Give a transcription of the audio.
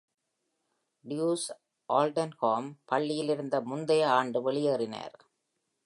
டியூஸ் Aldenham பள்ளியிலிருந்த முந்தைய ஆண்டு வெளியேறினார்.